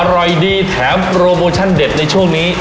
อร่อยดีแถมโปรโมชั่นเด็ดในช่วงนี้